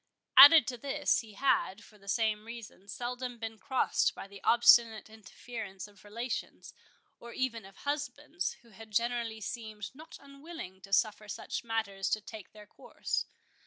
Added to this, he had, for the same reason, seldom been crossed by the obstinate interference of relations, or even of husbands, who had generally seemed not unwilling to suffer such matters to take their course.